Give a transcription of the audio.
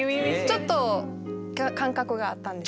ちょっと間隔があったんですよ。